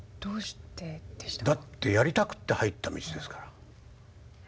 だってやりたくって入った道ですから。